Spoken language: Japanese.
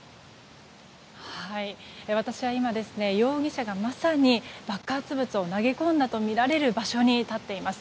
私は今、容疑者がまさに爆発物を投げ込んだとみられる場所に立っています。